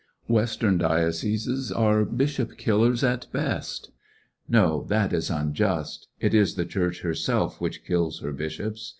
Western dioceses are bishop Icillers at best. Bfshop kiVers 'Koj that is unjiist* It is the Church herself which kills her bishops.